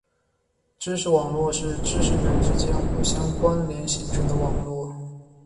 知识网络是知识元之间相互关联形成的网络。